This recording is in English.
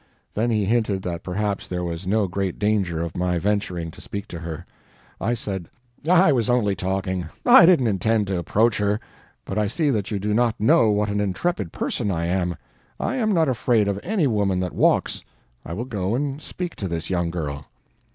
Then he hinted that perhaps there was no great danger of my venturing to speak to her. I said, "I was only talking I didn't intend to approach her, but I see that you do not know what an intrepid person I am. I am not afraid of any woman that walks. I will go and speak to this young girl."